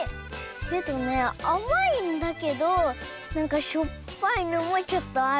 けどねあまいんだけどなんかしょっぱいのもちょっとある。